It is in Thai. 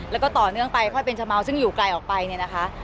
แล้วก็ต่อเนื่องไปค่อยเป็นชะเมาซึ่งอยู่ไกลออกไปเนี่ยนะคะ